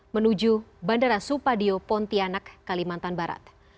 menuju bandara supadio pontianak kalimantan barat